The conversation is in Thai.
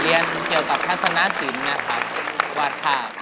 เรียนเกี่ยวกับทัศนสินนะครับวาดภาพ